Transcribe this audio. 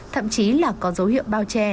thậm chí là có dấu hiệu bao che